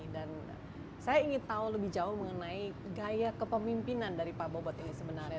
dan saya ingin tahu lebih jauh mengenai gaya kepemimpinan dari pak bobot ini sebenarnya